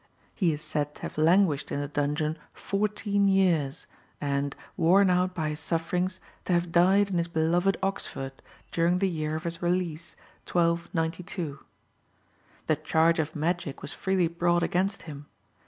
He is said to have languished in the dungeon fourteen years, and, worn out by his sufferings, to have died in his beloved Oxford during the year of his release, 1292. The charge of magic was freely brought against him.